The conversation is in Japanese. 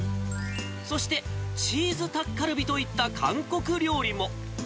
そしてチーズタッカルビといった韓国料理も。